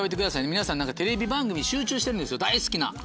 皆さん何かテレビ番組に集中してるんですよ大好きな。